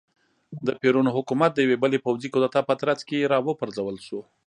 د پېرون حکومت د یوې بلې پوځي کودتا په ترڅ کې را وپرځول شو.